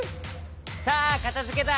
さあかたづけだ！